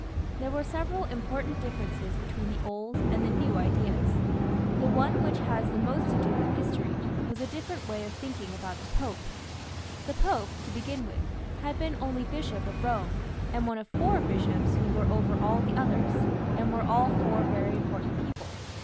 There were several important differences between the old and the new ideas. The one which has most to do with history was the different way of thinking about the Pope. The Pope, to begin with, had been only Bishop of Eome, and one of four bishops who were over all the others, and were all four very important people.